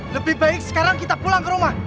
lebih baik sekarang kita pulang ke rumah